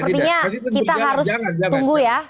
sepertinya kita harus tunggu ya